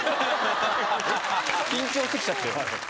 緊張して来ちゃったよ。